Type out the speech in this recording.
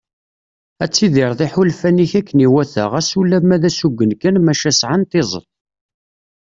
Ad tidireḍ iḥulfan-ik akken iwata ɣas ulamma d asugen kan maca sɛan tizeḍt.